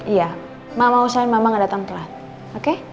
iya ma mau usahain mama gak datang telat oke